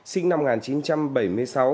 sinh năm một nghìn chín trăm bảy mươi sáu